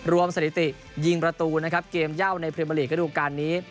รวมสถิติยิงประตูเกมย่าวในพรีเมอลีกระดูกการนี้